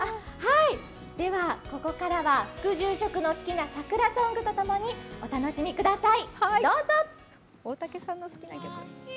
ここからは副住職の好きな桜ソングとともにお楽しみください。